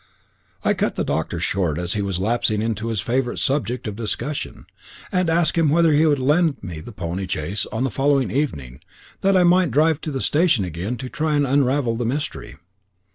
I cut the doctor short as he was lapsing into his favourite subject of discussion, and asked him whether he would lend me the pony chaise on the following evening, that I might drive to the station again and try to unravel the mystery.